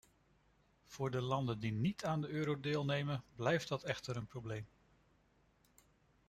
Voor de landen die niet aan de euro deelnemen, blijft dat echter een probleem.